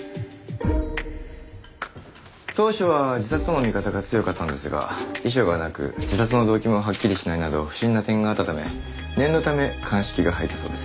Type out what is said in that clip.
当初は自殺との見方が強かったんですが遺書がなく自殺の動機もはっきりしないなど不審な点があったため念のため鑑識が入ったそうです。